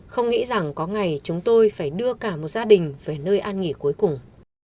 không nghĩ rằng có ngày chúng tôi phải đưa cả một gia đình về nơi an nghỉ cuối cùng